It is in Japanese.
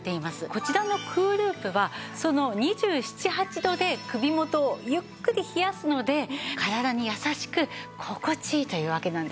こちらのＣＯＯＬＯＯＰはその２７２８度で首元をゆっくり冷やすので体に優しく心地いいというわけなんです。